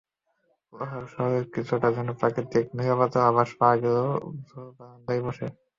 কোলাহলের শহরে কিছুটা যেন প্রাকৃতিক নীরবতার আভাস পাওয়া গেল ঝুলবারান্দায় বসে।